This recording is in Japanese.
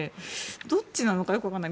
どっちなのかよく分かんない。